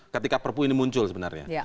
ketika perpu ini muncul sebenarnya